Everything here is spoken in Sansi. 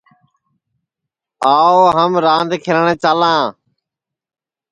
آو ہم راند کھیلٹؔے چالاں